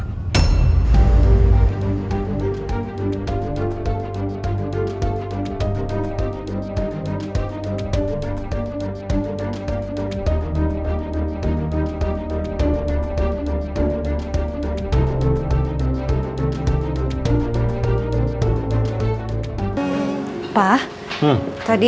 sampai jumpa di